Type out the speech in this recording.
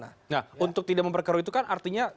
nah untuk tidak memperkeruh itu kan artinya